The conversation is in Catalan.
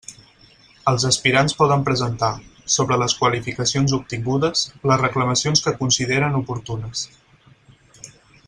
Els aspirants poden presentar, sobre les qualificacions obtingudes, les reclamacions que consideren oportunes.